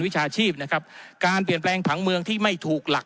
วิชาชีพนะครับการเปลี่ยนแปลงผังเมืองที่ไม่ถูกหลัก